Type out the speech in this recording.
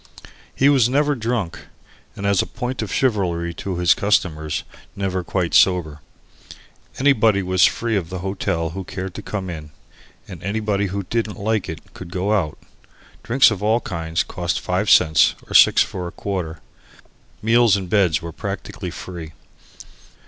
He was never drunk, and, as a point of chivalry to his customers, never quite sober. Anybody was free of the hotel who cared to come in. Anybody who didn't like it could go out. Drinks of all kinds cost five cents, or six for a quarter. Meals and beds were practically free.